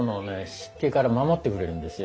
湿気から守ってくれるんですよ。